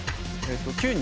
９人。